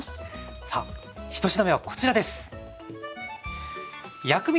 さあ１品目はこちらです！